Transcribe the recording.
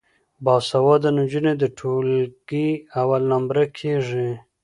باسواده نجونې د ټولګي اول نمره کیږي.